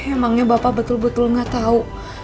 emangnya bapak betul betul nggak tahu